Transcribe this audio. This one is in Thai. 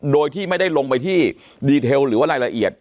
โดยที่ไม่ได้ลงไปที่ดีเทลหรือว่ารายละเอียด